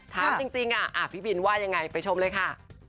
ถามจริงพี่บินว่ายังไงไปชมเลยค่ะ